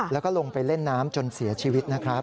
แล้วก็ลงไปเล่นน้ำจนเสียชีวิตนะครับ